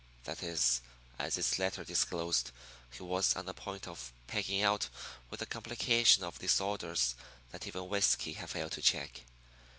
That is, as his letter disclosed, he was on the point of pegging out with a complication of disorders that even whiskey had failed to check.